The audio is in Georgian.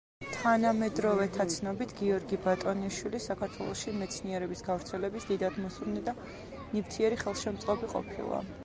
თანამედროვეთა ცნობით, გიორგი ბატონიშვილი საქართველოში მეცნიერების გავრცელების დიდად მოსურნე და ნივთიერი ხელშემწყობი ყოფილა.